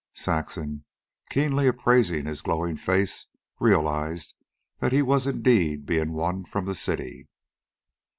Saxon, keenly appraising his glowing face, realized that he was indeed being won from the city.